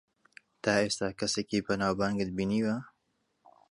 تا ئێستا کەسێکی بەناوبانگت بینیوە؟